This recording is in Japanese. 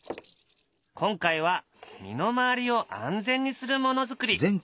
今回は身の回りを安全にするものづくり。